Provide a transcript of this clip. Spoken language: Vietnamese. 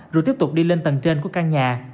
rồi tiếp tục đi lên tầng trên của căn nhà